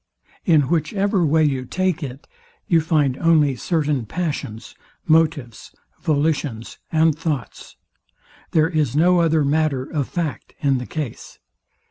In which ever way you take it, you find only certain passions, motives, volitions and thoughts. There is no other matter of fact in the case.